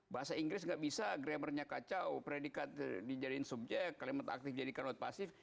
bahasa inggris gak bisa grammarnya kacau predikat dijadikan subjek kalimat aktif dijadikan not pasif